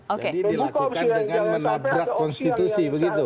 oke jadi dilakukan dengan menabrak konstitusi begitu